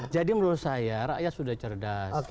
jadi menurut saya rakyat sudah cerdas